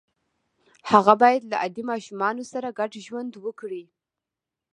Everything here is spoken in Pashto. هغه باید له عادي ماشومانو سره ګډ ژوند وکړي